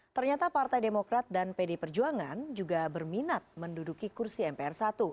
ternyata partai demokrat dan pd perjuangan juga berminat menduduki kursi mpr satu